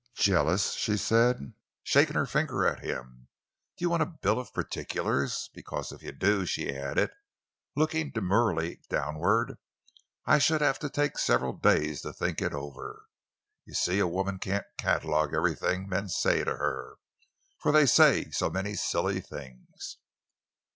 "Jealous!" she said, shaking her finger at him. "Do you want a bill of particulars? Because if you do," she added, looking demurely downward, "I should have to take several days to think it over. You see, a woman can't catalogue everything men say to her—for they say so many silly things!"